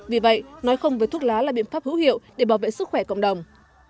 vì vậy nói không với thuốc lá là biện pháp hữu hiệu để bảo vệ sức khỏe cộng đồng